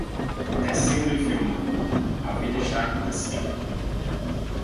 Tecendo e filmando, a vida está acontecendo.